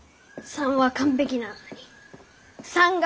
「３」が完璧なのに！